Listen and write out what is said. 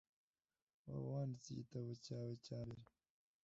Waba wanditse igitabo cyawe cya mbere